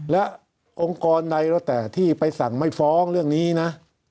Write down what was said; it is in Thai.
และองค์กรใดแล้วแต่ที่ไปสั่งไม่ฟ้องเรื่องนี้นะ